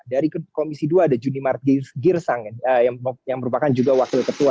dari komisi dua ada juni martinus girsang yang merupakan juga wakil ketua